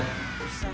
masjid itu baik allah